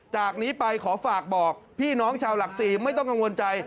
จากนี้ไปขอฝากบอกพี่น้องชาวหลักศรีไม่ต้องกังวลใจ